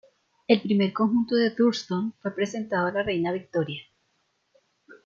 El primer conjunto de Thurston fue presentado a la Reina Victoria.